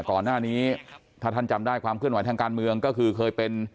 ก่อนหน้านี้ถ้าท่านจำได้ความเคลื่อนไหวทางการเมืองก็คือเคยเป็น